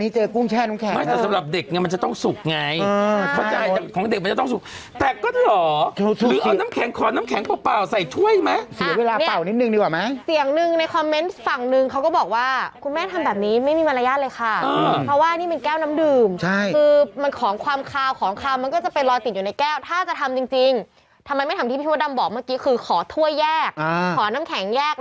ซึ่งถ้าเป็นนิทานเรื่องหนึ่งค่ะเขาก็เคยเล่าว่ามีคนคนหนึ่งถูกสาปอ่าฮะ